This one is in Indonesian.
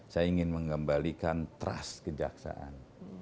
saya ingin mengembalikan trust kejaksaan